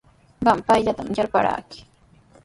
Qam payllatami yarparanki.